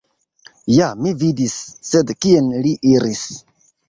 Ja, mi vidis, sed kien li iris?